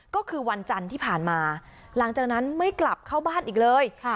ก็คือวันจันทร์ที่ผ่านมาหลังจากนั้นไม่กลับเข้าบ้านอีกเลย